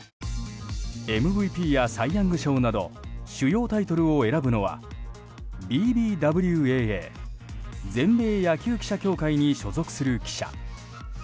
ＭＶＰやサイ・ヤング賞など主要タイトルを選ぶのはＢＢＷＡＡ・全米野球記者協会に所属する記者。